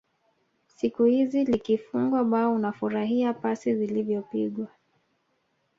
siku hizi likifungwa bao unafurahia pasi zilivyopigwa